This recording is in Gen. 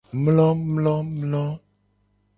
Mlomlomlo.